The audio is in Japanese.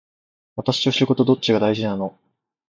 私と仕事どっちが大事なの